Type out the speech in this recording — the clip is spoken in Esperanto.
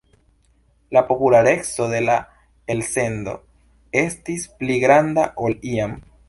La populareco de la elsendo estis pli granda ol iam.